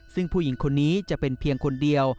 ซึ่งผู้หญิงคนนี้จะเป็นเพียงคนเดียว